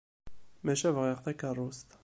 Maca bɣiɣ takeṛṛust.